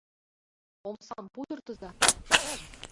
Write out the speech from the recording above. Омсам пудыртыза!